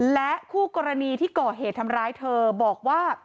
และคู่กรณีที่ก่อเหตุทำร้ายเธอบอกว่า